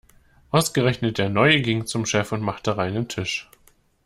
Ausgerechnet der Neue ging zum Chef und machte reinen Tisch.